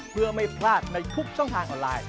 เพื่อไม่พลาดในทุกช่องทางออนไลน์